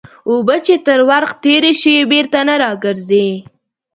اوبه چې تر ورخ تېري سي بېرته نه راګرځي.